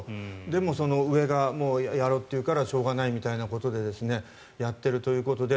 でも、上がやろうっていうからしょうがないみたいなことでやっているということで。